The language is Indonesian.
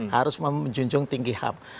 harus menjunjung tinggi ham